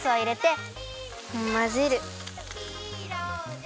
まぜる。